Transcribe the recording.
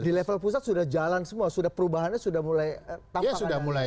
di level pusat sudah jalan semua sudah perubahannya sudah mulai tampak sudah mulai